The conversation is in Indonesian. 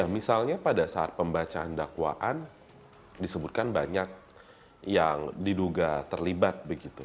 misalnya pada saat pembacaan dakwaan disebutkan banyak yang diduga terlibat begitu